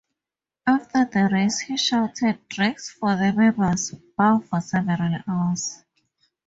After the race he shouted drinks for the members' bar for several hours.